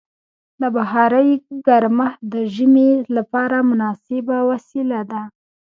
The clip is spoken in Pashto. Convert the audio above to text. د بخارۍ ګرمښت د ژمي لپاره مناسبه وسیله ده.